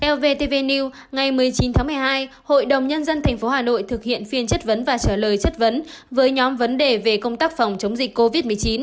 evtv new ngày một mươi chín tháng một mươi hai hội đồng nhân dân tp hà nội thực hiện phiên chất vấn và trả lời chất vấn với nhóm vấn đề về công tác phòng chống dịch covid một mươi chín